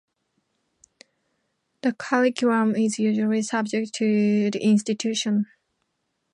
The curriculum is usually subject to the institution.